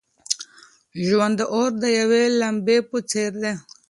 ژوند د اور د یوې لمبې په څېر دی.